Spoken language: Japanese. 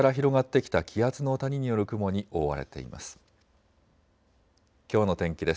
きょうの天気です。